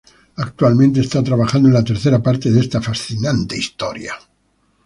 Actualmente está trabajando en la tercera parte de esta fascinante historia.